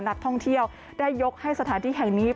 นักท่องเที่ยวได้ยกให้สถานที่แห่งนี้